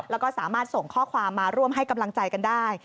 แล้วก็สามารถส่งข้อความมาร่วมให้กำลังใจกันได้